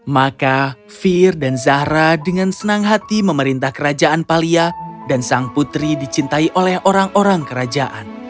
maka fir dan zahra dengan senang hati memerintah kerajaan palia dan sang putri dicintai oleh orang orang kerajaan